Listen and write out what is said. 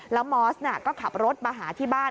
แล้วมอสก็ขับรถมาหาที่บ้าน